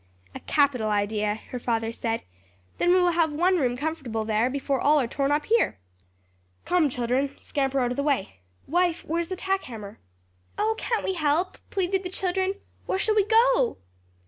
"A capital idea," her father said; "then we will have one room comfortable there before all are torn up here. Come, children, scamper out of the way! Wife; where's the tack hammer?" "Oh, can't we help?" pleaded the children, "Where shall we go?"